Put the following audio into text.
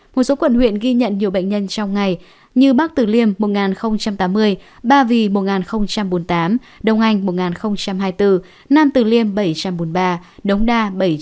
một số quận huyện ghi nhận nhiều bệnh nhân trong ngày như bắc tử liêm một tám mươi ba vì một bốn mươi tám đồng anh một hai mươi bốn nam tử liêm bảy trăm bốn mươi ba đống đa bảy trăm ba mươi hai